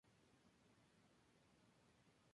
Este último se equilibra para el lanzamiento.